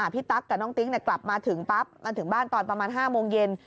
ตั๊กกับน้องติ๊กกลับมาถึงปั๊บมาถึงบ้านตอนประมาณ๕โมงเย็น